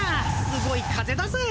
すごい風だぜ。